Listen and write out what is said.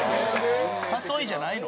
誘いじゃないの？